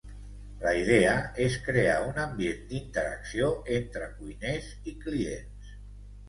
La idea és crear un ambient d’interacció entre cuiners i clients.